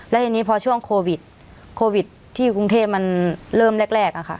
แล้วทีนี้พอช่วงโควิดโควิดที่กรุงเทพมันเริ่มแรกอะค่ะ